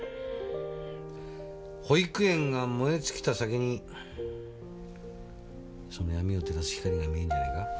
保育園が燃え尽きた先にその闇を照らす光が見えんじゃないか？